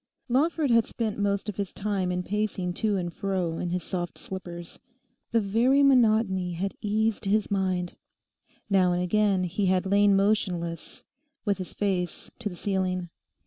Lawford had spent most of his time in pacing to and fro in his soft slippers. The very monotony had eased his mind. Now and again he had lain motionless, with his face to the ceiling.